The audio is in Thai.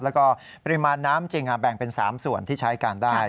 แล้วก็ปริมาณน้ำจริงแบ่งเป็น๓ส่วนที่ใช้การได้